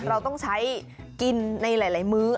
เราต้องใช้กินในหลายมื้อ